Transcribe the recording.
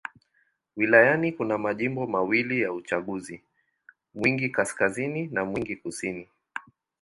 Wilayani kuna majimbo mawili ya uchaguzi: Mwingi Kaskazini na Mwingi Kusini.